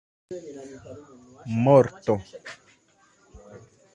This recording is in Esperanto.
morto